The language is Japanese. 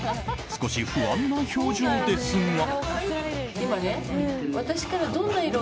少し不安な表情ですが。